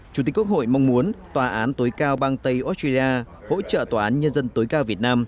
chủ tịch quốc hội mong muốn tòa án tối cao bang tây australia hỗ trợ tòa án nhân dân tối cao việt nam